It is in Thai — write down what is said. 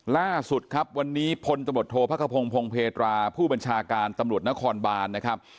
ล่าสุดครับวันนี้พลตำรวจโทษพระขพงศ์พงเพตราผู้บัญชาการตำรวจนครบานนะครับ